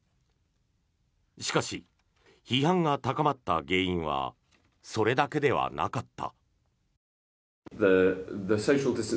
しかし、批判が高まった原因はそれだけではなかった。